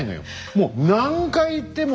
もう何回言っても。